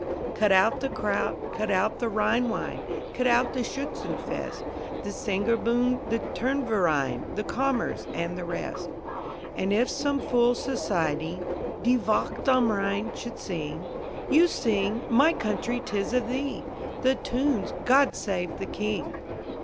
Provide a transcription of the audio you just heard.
Cut out the kraut, cut out Rhine wine, Cut out the Schützenfest, The Sängerbund, the Turnverein, The Kommers, and the rest. And if some fool society "Die Wacht am Rhein" should sing, You sing "My Country 'tis of Thee" The tune's "God Save the King."